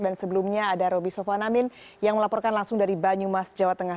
dan sebelumnya ada roby sofwanamin yang melaporkan langsung dari banyumas jawa tengah